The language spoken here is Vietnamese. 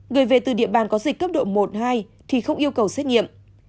người về từ địa bàn có dịch cấp độ một hai thì không yêu cầu xét nghiệm